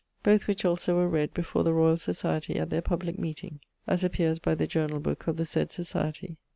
both which also were read before the Royall Society at their publique meeting, as appears by the Journall book of the said Society.